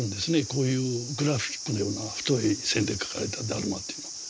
こういうグラフィックのような太い線で描かれたダルマっていうのは。